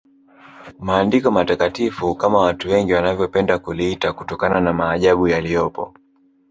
Maandiko Matakatifu kama watu wengi wanavyopenda kuliita kutokana na maajabu yaliyopo